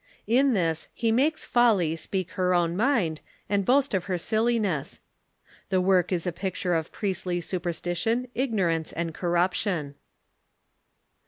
In this he makes Folly speak her own mind, and boast of her silliness. The work is a picture of priestly superstition, ignorance, and corruption.